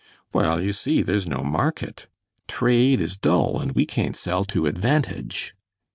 "Well, you see, there's no market; trade is dull and we can't sell to advantage."